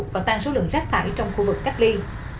và tăng số lượng rác thải trong khu vực cách ly